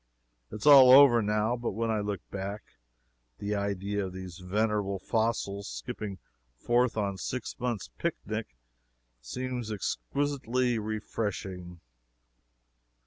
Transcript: It is all over now; but when I look back, the idea of these venerable fossils skipping forth on a six months' picnic, seems exquisitely refreshing.